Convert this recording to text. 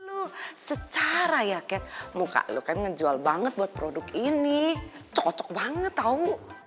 loh secara ya cat muka lu kan ngejual banget buat produk ini cocok banget tau